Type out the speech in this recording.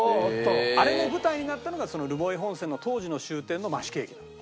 あれの舞台になったのがその留萌本線の当時の終点の増毛駅なの。